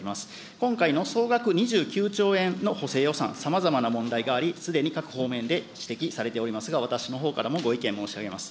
今回の総額２９兆円の補正予算、さまざまな問題があり、すでに各方面で指摘されておりますが、私のほうからもご意見申し上げます。